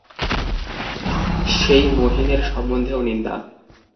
সেই মহিনের সম্বন্ধেও নিন্দা!